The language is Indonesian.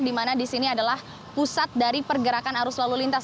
di mana di sini adalah pusat dari pergerakan arus lalu lintas